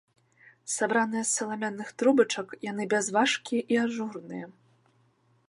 Сабраныя з саламяных трубачак, яны бязважкія і ажурныя.